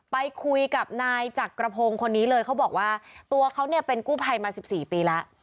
ไปคุยกับนายจักรพงศ์คนนี้เลยเขาบอกว่าตัวเขาเนี่ยเป็นกู้ภัยมา๑๔ปีแล้ว